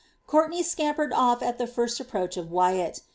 Courtenay scampered off at the first approach of Wyatt.